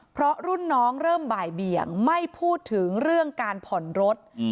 เพราะรุ่นน้องเริ่มบ่ายเบี่ยงไม่พูดถึงเรื่องการผ่อนรถ